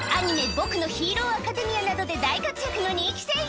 『僕のヒーローアカデミア』などで大活躍の人気声優